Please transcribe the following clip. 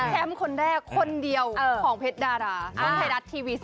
แชมป์คนแรกคนเดียวของเพชรดาราของไทยรัฐทีวี๓๒